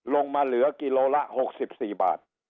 ลงมาเหลือกิโลละ๖๔บาท